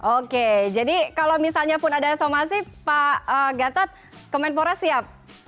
oke jadi kalau misalnya pun ada somasi pak gatot kemenpora siap